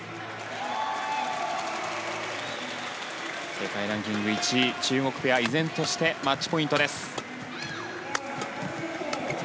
世界ランキング１位、中国ペア依然としてマッチポイントです。